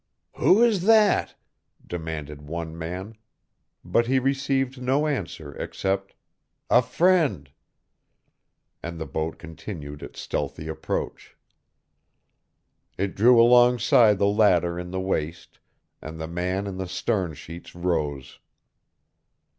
"Who is that?" demanded one man, but he received no answer except "A friend," and the boat continued its stealthy approach. It drew alongside the ladder in the waist, and the man in the stern sheets rose.